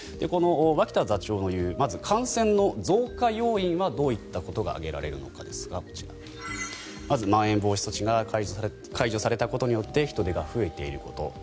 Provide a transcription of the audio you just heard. この脇田座長の言う感染の増加要因はどういったことが挙げられるのかですが、こちらまず、まん延防止措置が解除されたことによって人出が増えていること。